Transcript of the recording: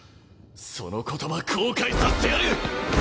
その言葉後悔させてやる！